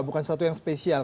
bukan sesuatu yang spesial